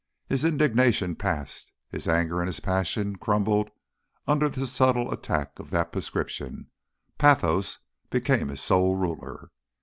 His indignation passed, his anger and his passion crumbled under the subtle attack of that prescription, pathos became his sole ruler.